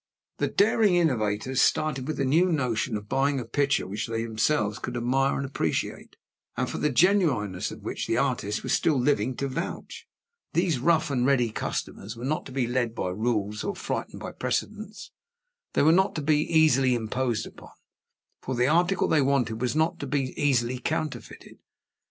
The daring innovators started with the new notion of buying a picture which they themselves could admire and appreciate, and for the genuineness of which the artist was still living to vouch. These rough and ready customers were not to be led by rules or frightened by precedents; they were not to be easily imposed upon, for the article they wanted was not to be easily counterfeited.